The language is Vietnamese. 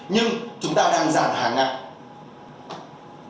nhưng chúng ta đang giảm hàng ngặt